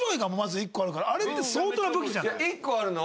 １個あるのは